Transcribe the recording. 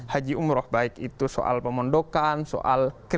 haji umroh baik itu soal pemondokan soal